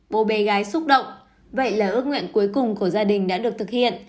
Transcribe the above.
bố bé gái xúc động vậy là ước nguyện cuối cùng của gia đình đã được thực hiện